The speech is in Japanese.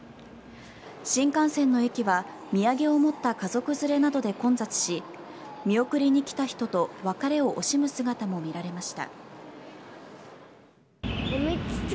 新幹線の駅は土産を持った家族連れなどで混雑し見送りに来た人と別れを惜しむ姿も見られました。